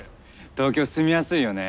東京住みやすいよね。